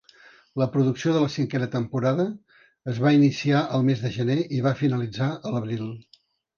La producció de la cinquena temporada es va iniciar al mes de gener i va finalitzar a l'abril.